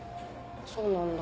そうなんだ。